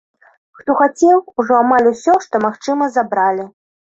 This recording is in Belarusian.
Хто хацеў, ужо амаль усё, што магчыма, забралі.